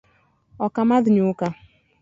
Ok amadh nyuka